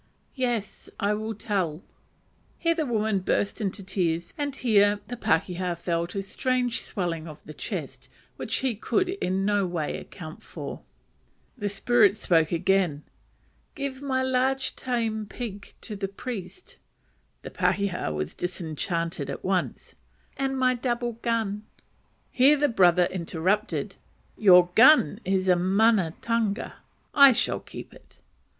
"Yes, I will tell." Here the woman burst into tears, and the pakeha felt a strange swelling of the chest, which he could in no way account for. The spirit spoke again. "Give my large tame pig to the priest," (the pakeha was disenchanted at once,) "and my double gun." Here the brother interrupted "Your gun is a manatunga; I shall keep it."